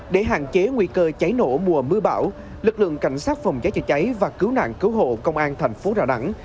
để hạn chế nguy cơ cháy nổ mùa mưa bão lực lượng cảnh sát phòng cháy chữa cháy và cứu nạn cứu hộ công an thành phố đà nẵng